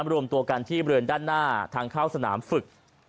รวมตัวกันที่บริเวณด้านหน้าทางเข้าสนามฝึก